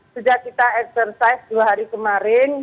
sudah kita ekserses dua hari kemarin